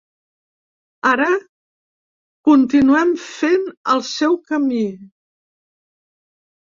Ara continuem fent el seu camí.